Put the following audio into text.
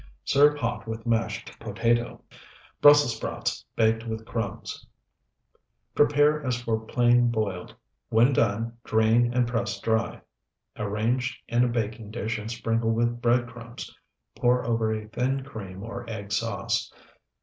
Serve hot with mashed potato. BRUSSELS SPROUTS BAKED WITH CRUMBS Prepare as for plain boiled; when done, drain, and press dry; arrange in a baking dish and sprinkle with bread crumbs; pour over a thin cream or egg sauce.